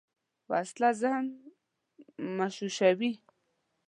وسله ذهن مشوشوي